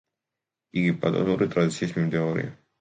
იგი პლატონური ტრადიციის მიმდევარია.